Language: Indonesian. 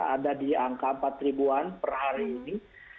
ada di angka empat ribu an per hari ini